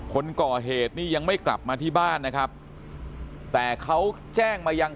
คนก่อเหตุนี่ยังไม่กลับมาที่บ้านนะครับแต่เขาแจ้งมายัง